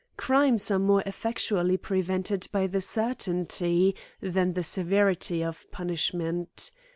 Crimes are moreefFtctually prevented by the certainty than the severity of punishment.